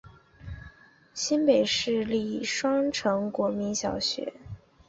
新北市立双城国民小学是台湾新北市一所市立国民小学。